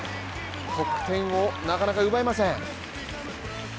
得点をなかなか奪えません。